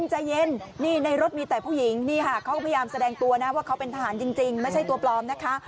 ใจเย็นนี่ในรถมีแต่ผู้หญิงนี่ค่ะเขาก็พยายามแสดงตัวนะว่าเขาเป็นทหารจริงไม่ใช่ตัวปลอมนะคะ